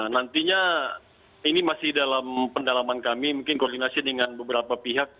nantinya ini masih dalam pendalaman kami mungkin koordinasi dengan beberapa pihak